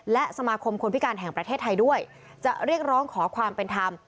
และสมาคมคนพิการแห่งประเทศไทยด้วยจะเรียกร้องขอความเป็นธรรม